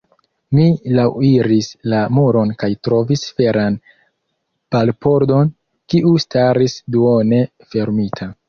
Mi laŭiris la muron kaj trovis feran barpordon, kiu staris duone fermita.